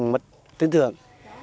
mức tính thường